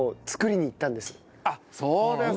あっそうですか。